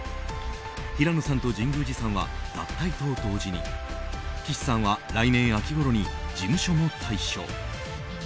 平野さんと神宮寺さんは脱退と同時に岸さんは来年秋ごろに事務所も退所。